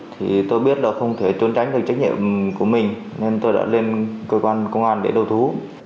thì tôi biết là không thể trốn tránh được trách nhiệm của mình nên tôi đã lên cơ quan công an để đầu thú